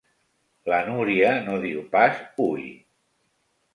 La Núria no diu pas ui.